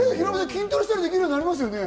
筋トレしたらできるようになりますよね。